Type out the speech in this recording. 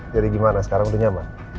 jadi gimana sekarang udah nyaman